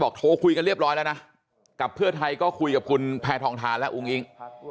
โทรคุยกันเรียบร้อยแล้วนะกับเพื่อไทยก็คุยกับคุณแพทองทานและอุ้งอิง